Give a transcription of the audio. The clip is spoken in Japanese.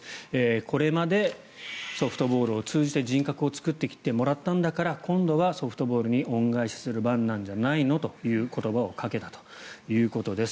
これまでソフトボールを通じて人格を作ってもらってきたんだから今度はソフトボールに恩返しする番なんじゃないのと声をかけたということです。